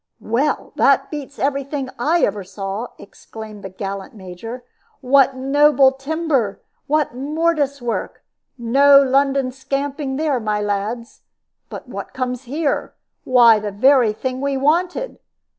"Well, that beats every thing I ever saw," exclaimed the gallant Major. "What noble timber! What mortise work! No London scamping there, my lads. But what comes here? Why, the very thing we wanted!